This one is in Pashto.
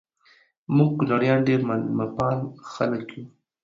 مونږ کونړیان ډیر میلمه پاله خلک یو